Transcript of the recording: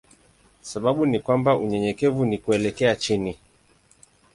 Sababu ni kwamba unyenyekevu ni kuelekea chini.